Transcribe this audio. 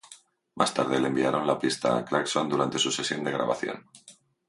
Más tarde le enviaron la pista a Clarkson durante su sesión de grabación.